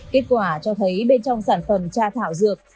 kết quả cho thấy bên trong sản phẩm cha thảo dược